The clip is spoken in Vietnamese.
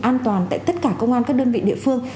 an toàn tại tất cả công an các đơn vị địa phương